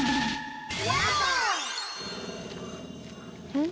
うん？